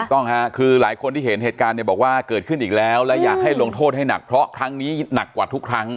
ต้องค่ะคือหลายคนที่เห็นเหตุการณ์เนี่ยบอกว่าเกิดขึ้นอีกแล้วและอยากให้ลงโทษให้หนักเพราะครั้งนี้หนักกว่าทุกครั้ง